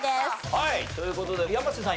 はいという事で山瀬さん